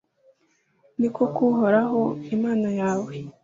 ni koko, uhoraho, imana yawe